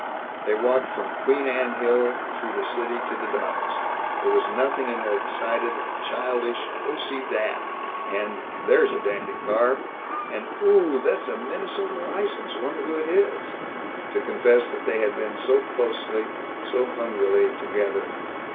They walked from Queen Anne Hill through the city to the docks. There was nothing in their excited, childish, "Oh, see that!" and "There's a dandy car!" and "Ohhhhh, that's a Minnesota license wonder who it is?" to confess that they had been so closely, so hungrily together.